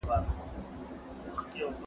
د نرمغالي مابينځ کي مي خپلي غونډې جوړي کړې.